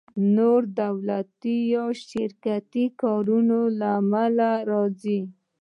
نور د دولتي یا شرکتي کارونو له امله راځي